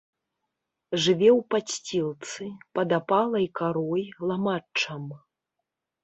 Жыве ў падсцілцы, пад апалай карой, ламаччам.